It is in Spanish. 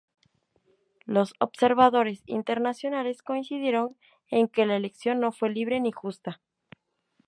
Los observadores internacionales coincidieron en que la elección no fue libre ni justa.